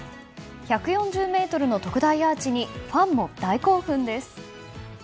１４０ｍの特大アーチにファンも大興奮です。